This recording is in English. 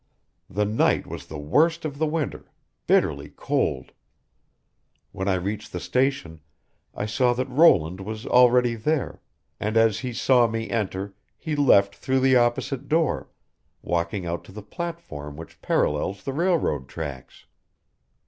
The night was the worst of the winter bitterly cold. When I reached the station, I saw that Roland was already there, and as he saw me enter, he left through the opposite door walking out to the platform which parallels the railroad tracks.